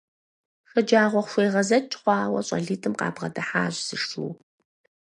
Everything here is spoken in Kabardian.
ШэджагъуэхуегъэзэкӀ хъуауэ щӀалитӀым къабгъэдыхьащ зы шу.